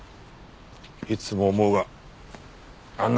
いつも思うがあんな